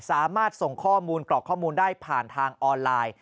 สามารถส่งข้อมูลกรอกข้อมูลได้ผ่านทางออนไลน์